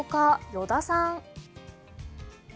依田さん。